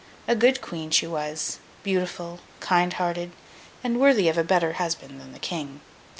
A good Queen she was; beautiful, kind hearted, and worthy of a better husband than the King.